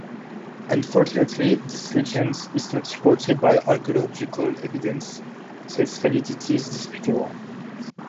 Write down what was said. Unfortunately this legend is not supported by archaeological evidence so its validity is disputable.